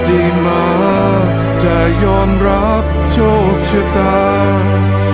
ที่มาจะยอมรับโชคชะตา